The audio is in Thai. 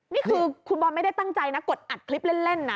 นี่คือคุณบอลไม่ได้ตั้งใจนะกดอัดคลิปเล่นนะ